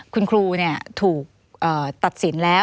คุณครูถูกตัดสินแล้ว